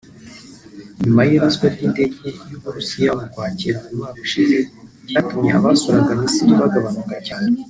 nyuma y’iraswa ry’indege y’Abarusiya mu Ukwakira umwaka ushize ryatumye abasuraga Misiri bagabanyuka cyane